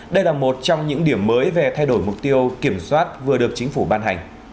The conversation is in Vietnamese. đây là một trong những điểm mới về thay đổi mục tiêu kiểm soát vừa được chính phủ ban hành